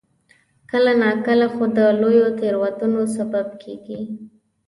کله ناکله خو د لویو تېروتنو سبب کېږي.